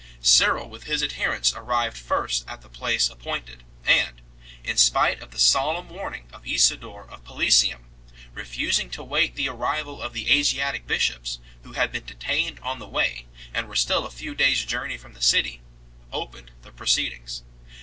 Cyril with his adherents arrived first at the place appointed, and in spite of the solemn warning of Isidore of Pelu sium 6 refusing to wait the arrival of the Asiatic bishops, who had been detained on the way, and were still a few days journey from the city, opened the proceedings.